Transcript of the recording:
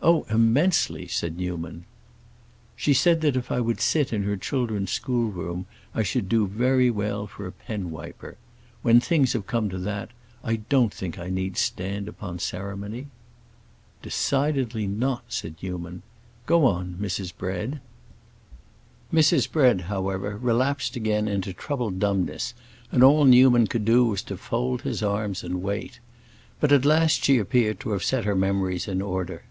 "Oh, immensely," said Newman. "She said that if I would sit in her children's schoolroom I should do very well for a penwiper! When things have come to that I don't think I need stand upon ceremony." "Decidedly not," said Newman. "Go on, Mrs. Bread." Mrs. Bread, however, relapsed again into troubled dumbness, and all Newman could do was to fold his arms and wait. But at last she appeared to have set her memories in order.